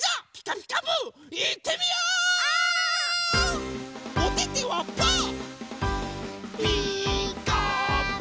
「ピーカーブ！」